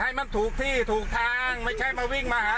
ให้มันถูกที่ถูกทางไม่ใช่มาวิ่งมาหา